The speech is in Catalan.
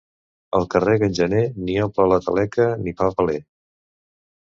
El que rega en gener, ni omple la taleca ni fa paller.